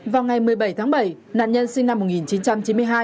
vào ngày một mươi bảy tháng bảy nạn nhân sinh năm một nghìn chín trăm chín mươi hai